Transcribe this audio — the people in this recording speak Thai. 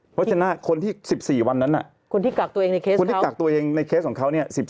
เพราะฉะนั้นคนที่๑๔วันนั้นคนที่กักตัวเองในเคสของเขา